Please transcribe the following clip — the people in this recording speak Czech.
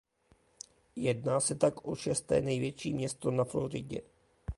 Jedná se tak o šesté největší město na Floridě.